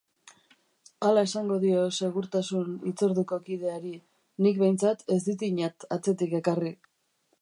Hala esango dio segurtasun hitzorduko kideari, Nik behintzat ez ditinat atzetik ekarri.